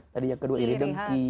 tadi yang kedua ini dengki